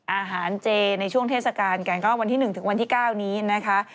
อาหารเจในช่วงเทศกาลกันก็วันที่๑ถึงวันที่๙นี้นะคะ